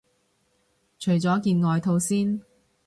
除咗件外套先